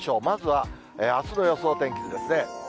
まずはあすの予想天気図ですね。